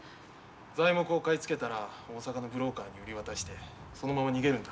材木を買い付けたら大阪のブローカーに売り渡してそのまま逃げるんだ。